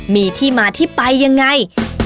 มีที่มาที่ไปยังไง